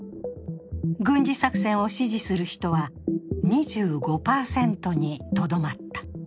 軍事作戦を支持する人は２５％にとどまった。